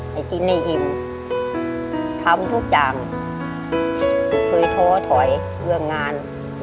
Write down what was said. ให้กินให้อิ่มทำทุกอย่างเคยท้อถอยเรื่องงาน